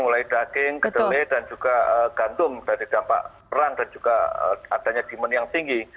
mulai daging kedelai dan juga gantung dari dampak perang dan juga adanya demand yang tinggi